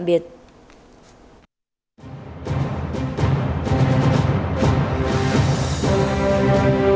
nhiệt độ ngày đêm mới